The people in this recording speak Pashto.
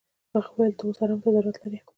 خو هغه وويل ته اوس ارام ته ضرورت لري.